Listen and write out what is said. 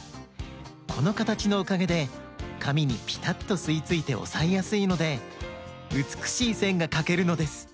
このかたちのおかげでかみにピタッとすいついておさえやすいのでうつくしいせんがかけるのです。